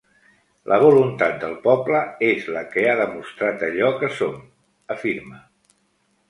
La voluntat del poble és la que ha de demostrar allò que som, afirma.